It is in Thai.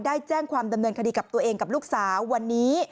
ได้แจ้งความดำเนินคดีกับตัวเองกับลูกสาววันนี้